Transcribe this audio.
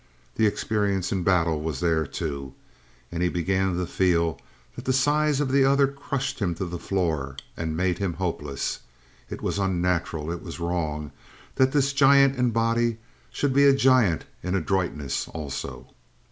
The experience in battle was there, too. And he began to feel that the size of the other crushed him to the floor and made him hopeless. It was unnatural, it was wrong, that this giant in the body should be a giant in adroitness also.